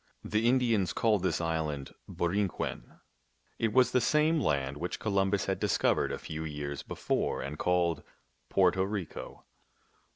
The Indians called this island Borinquen ; it was the same land which Columbus had discov ered a few years before and called Porto Rico.